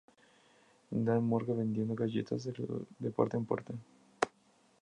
dan la murga vendiendo galletas de puerta en puerta